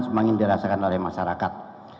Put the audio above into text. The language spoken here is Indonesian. semangin dirasakan oleh masyarakat